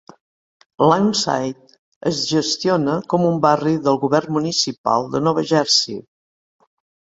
Lawnside es gestiona com un barri del govern municipal de Nova Jersey.